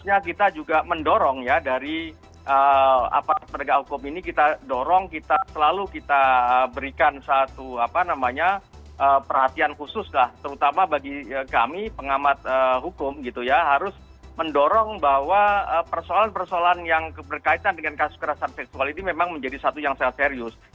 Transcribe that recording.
yang keempat kalau kita berkaitan dengan kasus kekerasan seksual ini memang menjadi satu yang sangat serius